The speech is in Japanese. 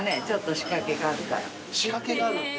仕掛けがあるって。